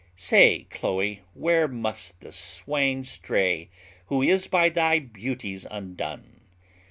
Say, Chloe, where must the swain stray Who is by thy beauties undone?